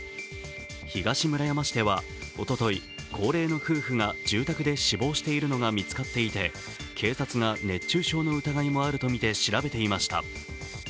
東村山市ではおととい、高齢の夫婦が住宅で死亡しているのが見つかっていて警察が熱中症の疑いもあるとみて調べていました。